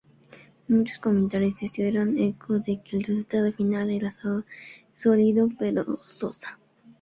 Muchos comentarios se hicieron eco de que el resultado final era sólido, pero sosa.